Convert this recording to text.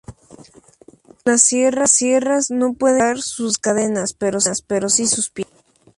Las sierras no pueden cortar sus cadenas, pero sí sus pies.